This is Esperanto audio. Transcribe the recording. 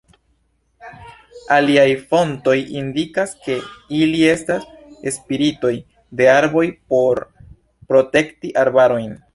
Aliaj fontoj indikas, ke ili estas spiritoj de arboj por protekti arbarojn.